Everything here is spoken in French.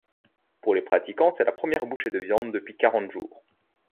Pour les pratiquants c'est la première bouchée de viande depuis quarante jours.